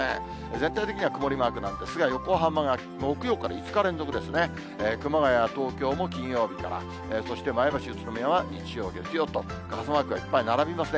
全体的には曇りマークなんですが、横浜が木曜から５日連続ですね、熊谷、東京も金曜日から、そして前橋、宇都宮は日曜、月曜と傘マークがいっぱい並びますね。